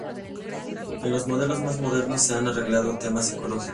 En los modelos más modernos se han agregado temas ecológicos.